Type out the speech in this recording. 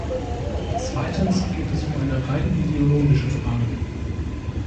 Zweitens geht es um eine rein ideologische Frage.